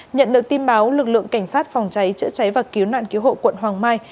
nhận được tin báo lực lượng cảnh sát phòng cháy chữa cháy và cứu nạn cứu hộ quận hoàng mai